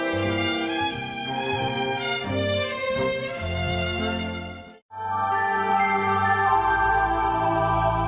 โปรดติดตามตอนต่อไป